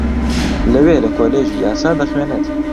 لەوێ لە کۆلێژی یاسا دەخوێنێت